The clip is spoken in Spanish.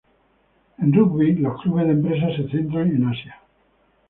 En rugby, los clubes de empresas se centran en Asia.